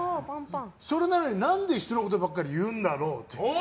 それなのに、何で人のことばっかり言うんだろうって。